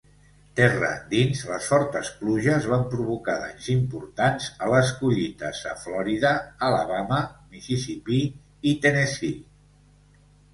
Terra endins, les fortes pluges van provocar danys importants a les collites a Florida, Alabama, Mississipí i Tennessee.